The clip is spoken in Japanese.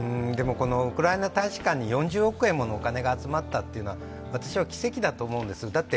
でもウクライナ大使館に４０億円ものお金が集まったというのは私は奇跡だとおもうんです。